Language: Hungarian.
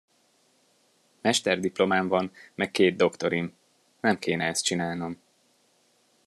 Mester diplomám van meg két doktorim, nem kéne ezt csinálnom.